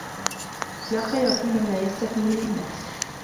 لَا خَيْرَ فِيمَنْ لَا يَسْتَحِي مِنْ النَّاسِ